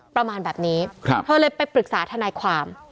ประมาณแบบนี้เธอเลยไปปรึกษาทนายความ